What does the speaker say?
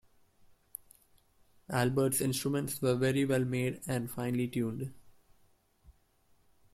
Albert's instruments were very well made, and finely tuned.